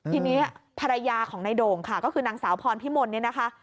ทีนี้ภรรยาของนายโด่งค่ะก็คือนางสาวพรพิมลเนี่ยนะคะ